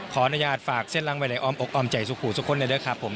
ขออนุญาตฝากเส้นรังเวลาออกอมใจสุขุสุขนนะครับผม